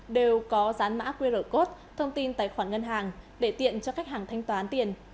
đều có dán mã qr code thông tin tài khoản ngân hàng để tiện cho khách hàng thanh toán tiền